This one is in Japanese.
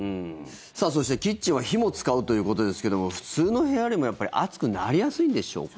そして、キッチンは火も使うということですけども普通の部屋よりも暑くなりやすいんでしょうか。